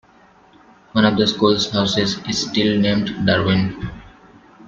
One of the school's houses is still named Darwin.